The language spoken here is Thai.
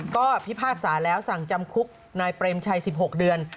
ก็พิพากษาแล้วสั่งจำคุกนายเปรมชัย๑๖เดือน